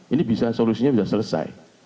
ini bisa solusinya bisa selesai